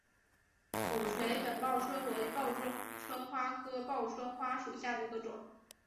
俯垂粉报春为报春花科报春花属下的一个种。